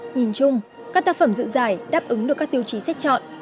nhìn chung các tác phẩm dự giải đáp ứng được các tiêu chí xét chọn